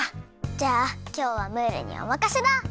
じゃあきょうはムールにおまかせだ！